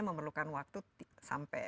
memerlukan waktu sampai